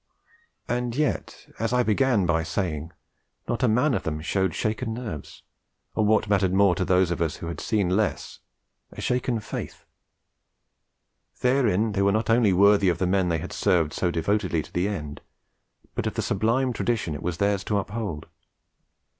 And yet, as I began by saying, not a man of them showed shaken nerves, or what mattered more to those of us who had seen less, a shaken faith. Therein they were not only worthy of the men they had served so devotedly to the end, but of the sublime tradition it was theirs to uphold.